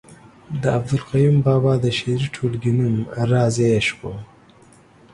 د عبدالقیوم بابا د شعري ټولګې نوم رازِ عشق ؤ